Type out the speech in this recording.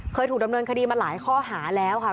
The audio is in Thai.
เคยถูกดำเนินคดีมาหลายข้อหาแล้วค่ะ